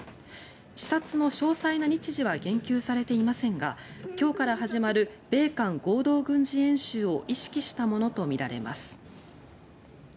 視察の詳細な日時は言及されていませんが今日から始まる米韓合同軍事演習を意識したものとみられます。